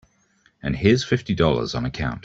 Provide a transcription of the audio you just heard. And here's fifty dollars on account.